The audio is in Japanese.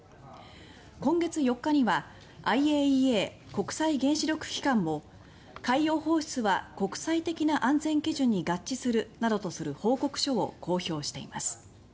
今月４日にはＩＡＥＡ・国際原子力機関も海洋放出は「国際的な安全基準に合致する」などとする報告書を公表しています。